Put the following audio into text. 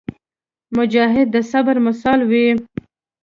مجاهد د صبر مثال وي.